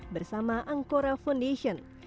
bersama dengan plastic reborn dua